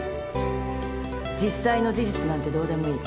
実際の事実なんてどうでもいい。